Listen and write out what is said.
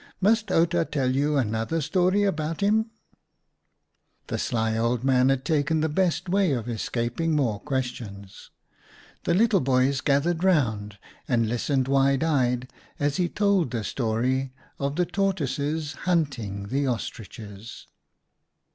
Must Outa tell another story about him ?" The sly old man had taken the best way of escaping more questions. The little boys THE OSTRICH HUNT 141 gathered round and listened wide eyed as he told the story of the Tortoises hunting the Ostriches.